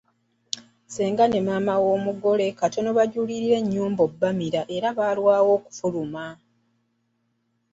Ssenga ne maama w'omugole katono bajulirire ennyumba okubamira era baalwawo okufuluma.